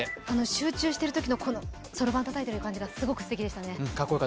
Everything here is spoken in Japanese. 集中してるときのそろばんたたいてる感じがすごくすてきでしたね。